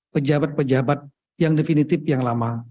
penjabat penjabat yang definitif yang lama